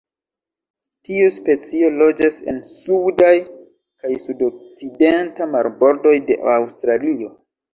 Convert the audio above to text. Tiu specio loĝas en sudaj kaj sudokcidenta marbordoj de Aŭstralio.